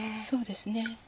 そうですね。